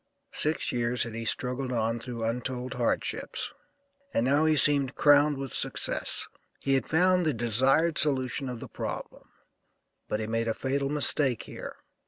Six years had he struggled on through untold hardships, and now he seemed crowned with success. He had found the desired solution of the problem, but he made a fatal mistake here.